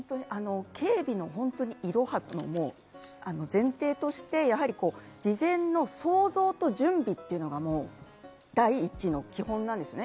警備のいろはっていうのが前提として事前の想像と準備というのが第１の基本なんです。